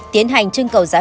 tiến hành trưng cầu giám đốc